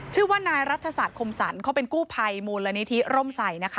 ชื่อว่านายรัฐศาสตร์คมสรรเขาเป็นกู้ภัยมูลนิธิร่มใส่นะคะ